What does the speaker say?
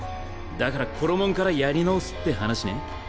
だからコロモンからやり直すって話ね。